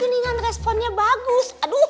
kenapa dengan responnya bagus aduh